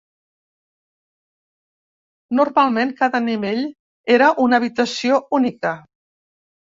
Normalment cada nivell era una habitació única.